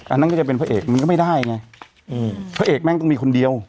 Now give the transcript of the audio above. อันนั้นก็จะเป็นพระเอกมันก็ไม่ได้ไงพระเอกแม่งต้องมีคนเดียว